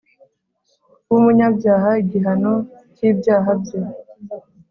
b’umunyabyaha igihano cy’ibyaha bye’